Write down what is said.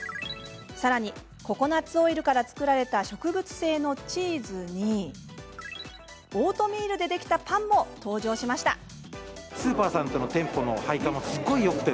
さらに、ココナツオイルから作られた植物性のチーズにオートミールでできたパンも登場しました。